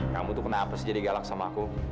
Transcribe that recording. kamu tuh kenapa sih jadi galak sama aku